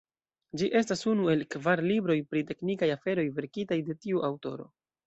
Ĝi estas unu el kvar libroj pri teknikaj aferoj verkitaj de tiu aŭtoro.